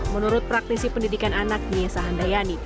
menurut praktisi pendidikan anak niesa handayani